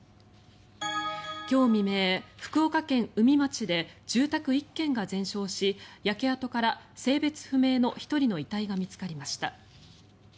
今日未明、福岡県宇美町で住宅１軒が全焼し焼け跡から性別不明の１人の遺体が見つかりました。